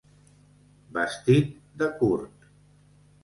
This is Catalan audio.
Vestit de curt.